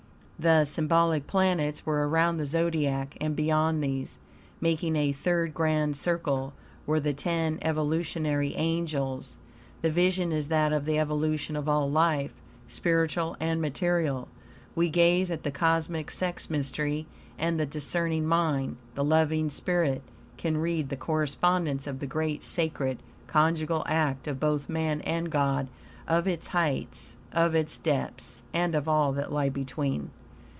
The symbolic planets were around the Zodiac, and beyond these, making a third grand circle, were the ten Evolutionary Angels. The vision is that of the evolution of all life, spiritual and material. We gaze at the cosmic sex mystery, and the discerning mind, the loving spirit, can read the correspondence of the great sacred conjugal act of both man and God; of its heights, of its depths, and of all that lies between.